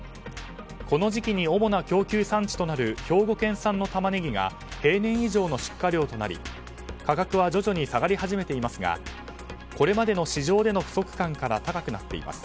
この時期に主な供給産地となる兵庫県産のタマネギが平年以上の出荷量となり価格は徐々に下がり始めていますがこれまでの市場の不足感から高くなっています。